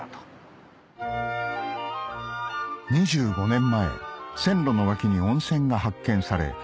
２５年前線路の脇に温泉が発見され